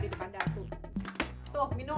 aduh kemana lagi tuh odong odong atu